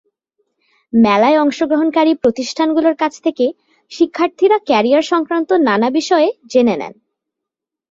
মেলায় অংশগ্রহণকারী প্রতিষ্ঠানগুলোর কাছ থেকে শিক্ষার্থীরা ক্যারিয়ারসংক্রান্ত নানা বিষয়ে জেনে নেন।